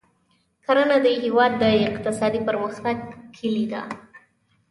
کرنه د هېواد د اقتصادي پرمختګ کلي ده.